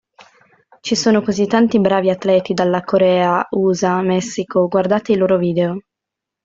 Ci sono così tanti bravi atleti dalla Corea, USA, Messico, guardate i loro video.